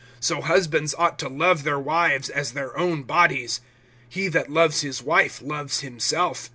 (28)So husbands ought to love their wives as their own bodies. He that loves his wife loves himself.